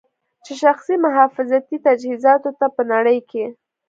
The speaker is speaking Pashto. چې شخصي محافظتي تجهیزاتو ته په نړۍ کې